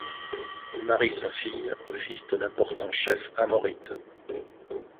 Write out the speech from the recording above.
Il marie sa fille au fils d'un important chef amorrite.